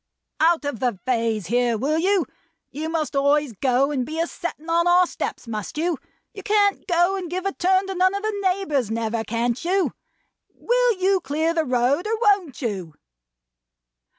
"Out of the vays here, will you! You must always go and be a settin on our steps, must you! You can't go and give a turn to none of the neighbors never, can't you? Will you clear the road, or won't you?"